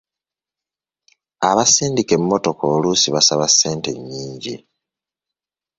Abasindika emmotoka oluusi basaba ssente nnyingi.